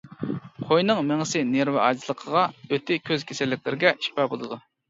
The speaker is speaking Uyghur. قوينىڭ مېڭىسى نېرۋا ئاجىزلىقىغا، ئۆتى كۆز كېسەللىكلىرىگە شىپا بولىدۇ.